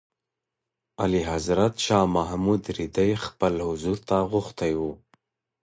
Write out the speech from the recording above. اعلیحضرت شاه محمود رېدی خپل حضور ته غوښتی و.